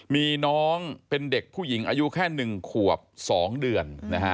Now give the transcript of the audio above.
มีน้องเป็นเด็กผู้หญิงอายุแค่๑ขวบ๒เดือน